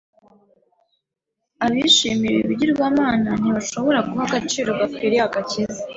Abishimira ibi bigirwamana ntibashobora guha agaciro gakwiriye agakiza